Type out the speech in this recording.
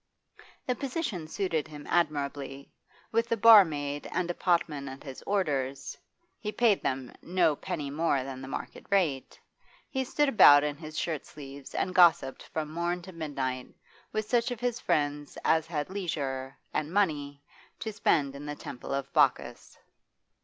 The position suited him admirably; with a barmaid and a potman at his orders (he paid them no penny more than the market rate), he stood about in his shirt sleeves and gossiped from morn to midnight with such of his friends as had leisure (and money) to spend in the temple of Bacchus.